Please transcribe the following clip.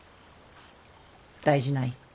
大事ない。